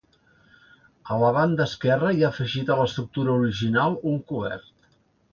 A la banda esquerra hi ha afegit a l'estructura original un cobert.